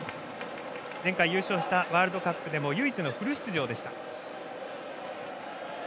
前回優勝したワールドカップでも唯一のフル出場でした。